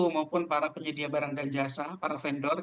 maupun para penyedia barang dan jasa para vendor